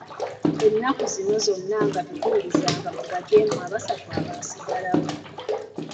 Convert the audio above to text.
Ennaku zino zonna nga tetuwulizanga ku bajeemu abasatu abaasigalawo.